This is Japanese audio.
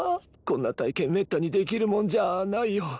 こんな体験めったにできるもんじゃあないよ。